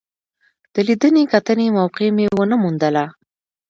د لیدنې کتنې موقع مې ونه موندله.